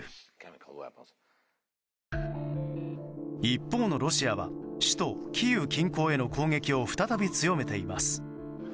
一方のロシアは首都キーウ近郊への攻撃を再び強めています。